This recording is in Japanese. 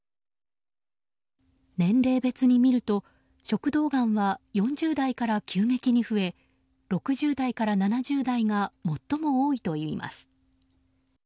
年齢別に見ると食道がんは４０代から急激に増え６０代から７０代が最も多いといいます。